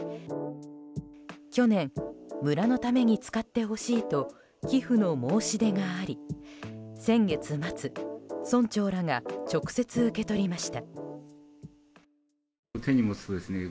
去年、村のために使ってほしいと寄付の申し出があり先月末、村長らが直接受け取りました。